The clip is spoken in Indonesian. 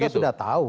kita sudah tahu